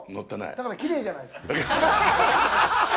だから、きれいじゃないですか。